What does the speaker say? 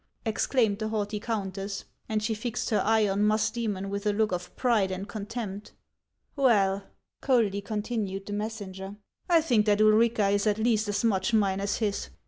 " exclaimed the haughty countess ; aud she fixed her eye on Musdojmon with a look of pride and contempt. " Well," coldly continued the messenger, " I think that Ulrica is at least as much mine as his.